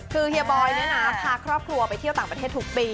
คือเฮียบอยเนี่ยนะพาครอบครัวไปเที่ยวต่างประเทศทุกปี